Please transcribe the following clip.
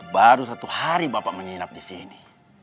baru satu hari bapak menginap di sini